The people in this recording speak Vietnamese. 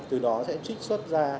từ đó sẽ trích xuất ra